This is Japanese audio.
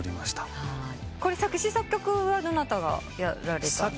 これ作詞作曲はどなたがやられたんですか？